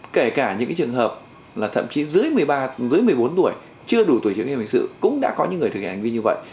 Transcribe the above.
kể cả những trường hợp là thậm chí dưới một mươi bốn tuổi chưa đủ tuổi trưởng nghiệp hình sự cũng đã có những người thực hiện hành vi như vậy